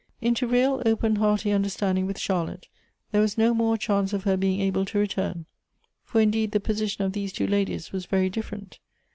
Into real open, hearty understanding with Charlotte, there was no more a chance of her being able to returi) ; for, indeed, the position of these two ladies was very different.